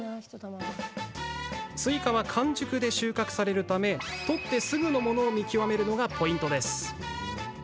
スイカは完熟で収穫されるため取ってすぐのものを見極めるのがポイントです。